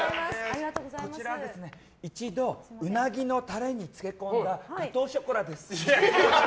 こちら、一度うなぎのタレに漬け込んだガトーショコラです。